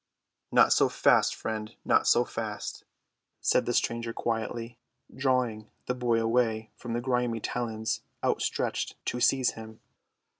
"Not so fast, friend, not so fast," said the stranger quietly, drawing the boy away from the grimy talons outstretched to seize him.